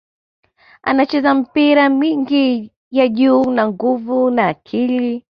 Anacheza mipira mingi ya juu na nguvu na akili